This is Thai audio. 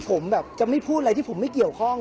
ผมแบบจะไม่พูดอะไรที่ผมไม่เกี่ยวข้อง